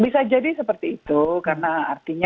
bisa jadi seperti itu karena artinya